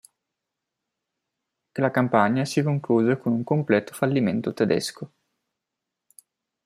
La campagna si concluse con un completo fallimento tedesco.